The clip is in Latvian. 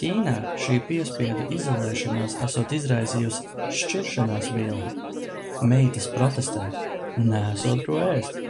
Ķīnā šī piespiedu izolēšanās esot izraisījusi šķiršanās vilni. Meitas protestē – neesot ko ēst.